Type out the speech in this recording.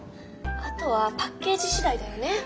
あとはパッケージ次第だよね。